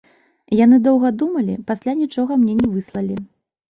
Яны доўга думалі, пасля нічога мне не выслалі.